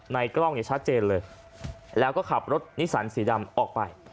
กล้องเนี่ยชัดเจนเลยแล้วก็ขับรถนิสันสีดำออกไป